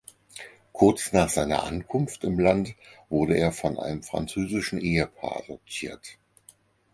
Kurz nach seiner Ankunft im Land wurde er von einem französischen Ehepaar adoptiert.